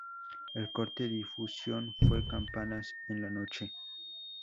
El corte difusión fue "Campanas en la noche".